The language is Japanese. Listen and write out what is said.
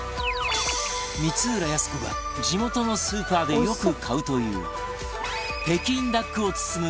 光浦靖子が地元のスーパーでよく買うという北京ダックを包む